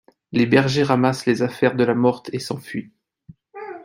Les bergers ramassent les affaires de la morte et s'enfuient.